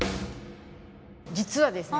実はですね